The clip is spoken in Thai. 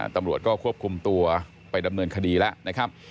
ตำรวจก็ควบคุมตัวไปดำเนินคดีแล้วนะครับ